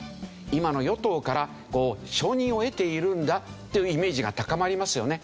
今の与党から承認を得ているんだというイメージが高まりますよね。